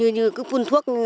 như cứ phun thuốc